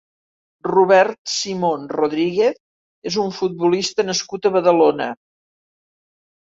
Robert Simón Rodríguez és un futbolista nascut a Badalona.